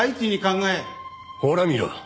ほら見ろ。